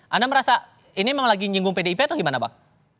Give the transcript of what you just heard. anda merasa ini memang lagi nyinggung pdip atau gimana bang